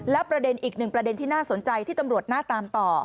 และประเด็นอีกหนึ่งประเด็นที่น่าสนใจที่ตำรวจน่าตามต่อ